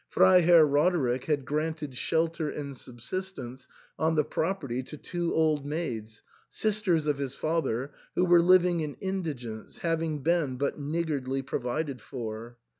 Freiherr Roder ick had granted shelter and subsistence on the property to two old maids, sisters of his father, who were living in indigence, having been but niggardly provided for.